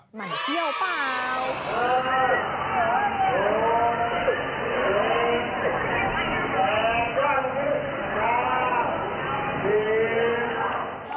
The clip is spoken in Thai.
มันเขี้ยวเปล่า